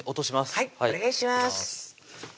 はいお願いします